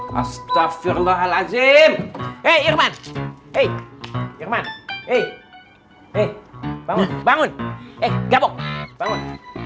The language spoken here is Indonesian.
hai astaghfirullahaladzim eh irman eh irman eh bangun bangun eh gabung bangun bangun